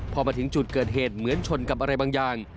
พอมาถึงจุดเกิดเหตุเหมือนชนกับอะไรบางอย่าง